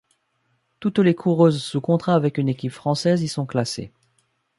Toutes les coureuses sous contrat avec une équipe française y sont classées.